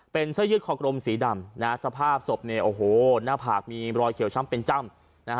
เป็นเส้ายืดคอกรมสีดำสภาพศพหน้าผากมีรอยเขียวช้ำเป็นจ้ำ